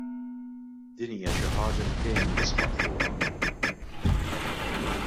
Din hija xi ħaġa li dejjem nisħaq fuqha.